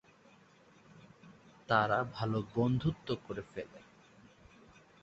তারা ভাল বন্ধুত্ব করে ফেলে।